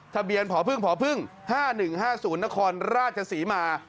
ทะเบียนผอพึ่งผอพึ่ง๕๑๕๐นครราชศรีมา